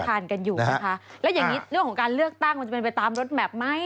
กันอยู่นะคะแล้วอย่างนี้เรื่องของการเลือกตั้งมันจะเป็นไปตามรถแมพไหม